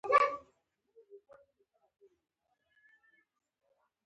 سړي ته يې غېږ ورکړه.